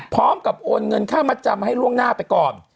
โอนเงินค่ามัดจำให้ล่วงหน้าไปก่อน